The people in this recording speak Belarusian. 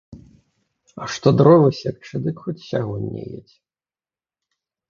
А што дровы секчы, дык хоць сягоння едзь.